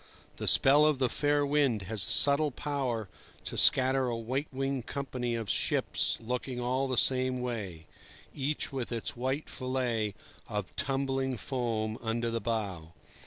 The spell of the fair wind has a subtle power to scatter a white winged company of ships looking all the same way, each with its white fillet of tumbling foam under the bow.